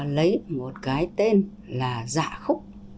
lấy một cái tên là giả khúc